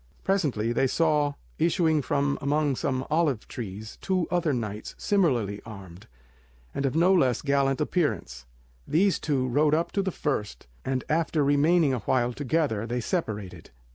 Presently they saw issuing from among some olive trees two other knights similarly armed, and of no less gallant appearance. These two rode up to the first, and after remaining awhile together they separated.